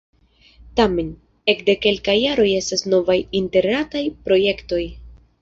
Tamen, ekde kelkaj jaroj estas novaj interretaj projektoj.